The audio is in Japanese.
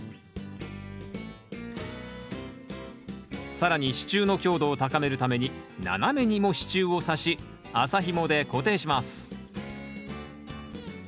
更に支柱の強度を高めるために斜めにも支柱をさし麻ひもで固定します